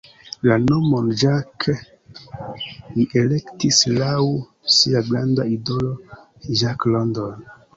La nomon "Jack" li elektis laŭ sia granda idolo Jack London.